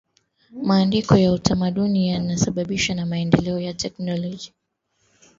mabadiliko ya utamaduni yanasababishwa na maendeleo ya teknolojia